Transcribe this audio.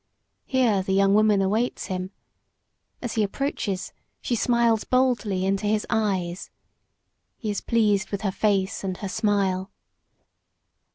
Here the young woman awaits him. As he approaches she smiles boldly into his eyes. He is pleased with her face and her smile.